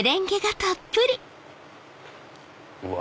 うわ。